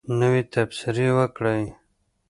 نوی تبصرې وکړئ